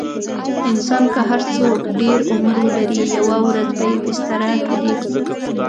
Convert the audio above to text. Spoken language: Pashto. انسان که هر څو ډېر عمر ولري، یوه ورځ به یې بستره ټولېږي.